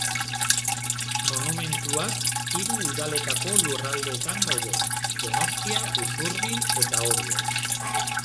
Monumentuak hiru udaletako lurraldetan daude: Donostia, Usurbil eta Orio.